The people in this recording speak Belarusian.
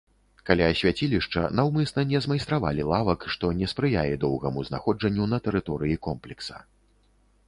Каля свяцілішча наўмысна не змайстравалі лавак, што не спрыяе доўгаму знаходжанню на тэрыторыі комплекса.